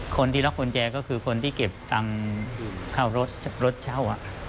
คนที่ล็อกกุญแจก็คือคนที่เก็บตังค์เข้ารถเช่า